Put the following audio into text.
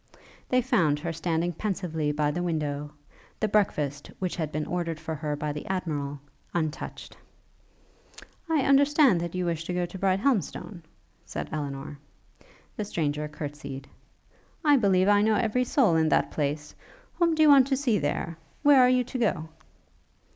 They found her standing pensively by the window; the breakfast, which had been ordered for her by the Admiral, untouched. 'I understand you wish to go to Brighthelmstone?' said Elinor. The stranger courtsied. 'I believe I know every soul in that place. Whom do you want to see there? Where are you to go?'